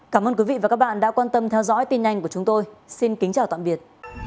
cảm ơn quý vị và các bạn đã quan tâm theo dõi tin nhanh của chúng tôi xin kính chào tạm biệt